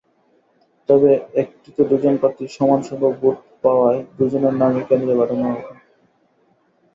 তবে একটিতে দুজন প্রার্থী সমানসংখ্যক ভোট পাওয়ায় দুজনের নামই কেন্দ্রে পাঠানো হবে।